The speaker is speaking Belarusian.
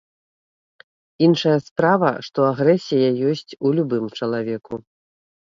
Іншая справа, што агрэсія ёсць у любым чалавеку.